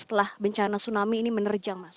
setelah bencana tsunami ini menerjang mas